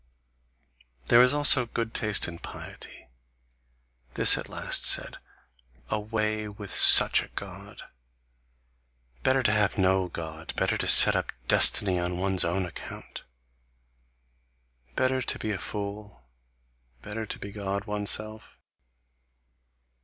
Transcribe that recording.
There is also good taste in piety: THIS at last said: 'Away with SUCH a God! Better to have no God, better to set up destiny on one's own account, better to be a fool, better to be God oneself!